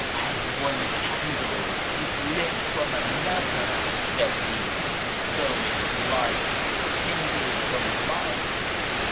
" As oue candle is lit IVoiu another," he said, " so is life kindled from life.